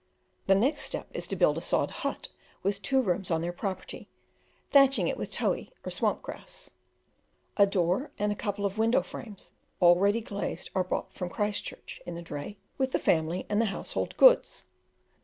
The next step is to build a sod but with two rooms on their property, thatching it with Tohi, or swamp grass; a door and a couple of window frames all ready glazed are brought from Christchurch in the dray with the family and the household goods.